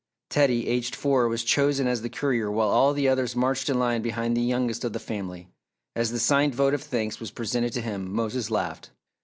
Teddy, aged four, was chosen as the courier while all of the others marched in line behind the youngest of the family. As the signed vote of thanks was presented to him, Mose laughed.